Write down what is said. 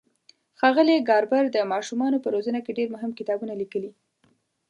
ښاغلي ګاربر د ماشومانو په روزنه کې ډېر مهم کتابونه لیکلي.